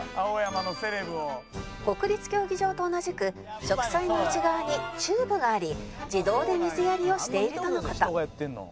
国立競技場と同じく植栽の内側にチューブがあり自動で水やりをしているとの事